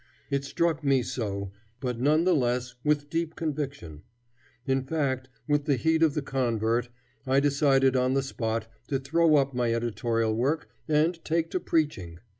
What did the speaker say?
It struck me so, but none the less with deep conviction. In fact, with the heat of the convert, I decided on the spot to throw up my editorial work and take to preaching.